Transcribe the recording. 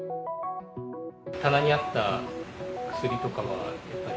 棚にあった薬とかはやっぱり？